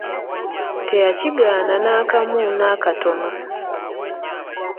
Teyakigaana n'akamu nakatono.